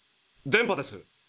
電波です。